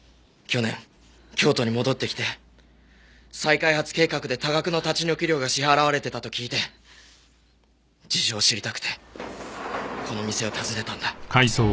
去年京都に戻ってきて再開発計画で多額の立ち退き料が支払われてたと聞いて事情を知りたくてこの店を訪ねたんだ。